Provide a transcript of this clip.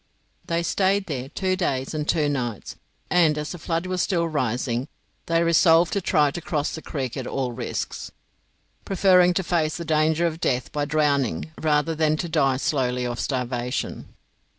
They stayed there two days and two nights, and as the flood was still rising, they resolved to try to cross the creek at all risks, preferring to face the danger of death by drowning rather than to die slowly of starvation.